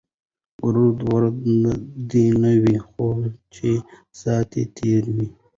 ګړد وړه دی نه وي، خو چې سات تیر وي.